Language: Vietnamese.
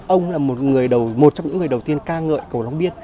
ông là một trong những người đầu tiên ca ngợi cầu long biết